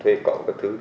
thuê cộng các thứ